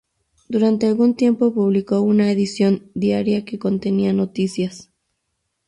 Durante algún tiempo publicó una edición diaria, que contenía noticias.